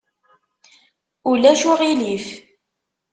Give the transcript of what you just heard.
Ulac uɣilif.